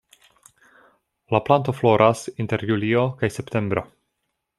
La planto floras inter julio kaj septembro.